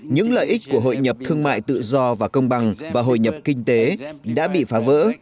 những lợi ích của hội nhập thương mại tự do và công bằng và hội nhập kinh tế đã bị phá vỡ